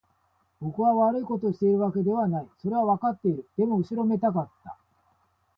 僕は悪いことをしているわけではない。それはわかっている。でも、後ろめたかった。